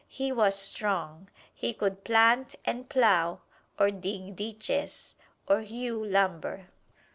He was strong he could plant and plow, or dig ditches, or hew lumber!